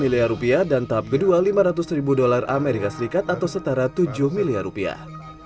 satu miliar rupiah dan tahap kedua lima ratus ribu dolar amerika serikat atau setara tujuh miliar rupiah